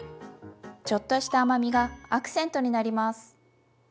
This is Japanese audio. ちょっとした甘みがアクセントになります。